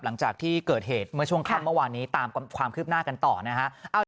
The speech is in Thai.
หลังจากที่เกิดเหตุเมื่อช่วงค่ำเมื่อวานนี้ตามความคืบหน้ากันต่อนะฮะ